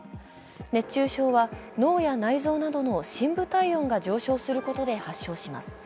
熱中症は脳や内臓などの深部体温が上昇することで発症します。